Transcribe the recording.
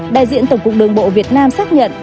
đại diện tổng cục đường bộ việt nam xác nhận